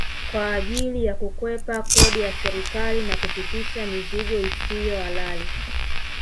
Kwa ajili ya kukwepa kodi ya serikali na kupitisha mizigo isiyo halali